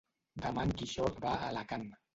Demà en Quixot va a Alacant.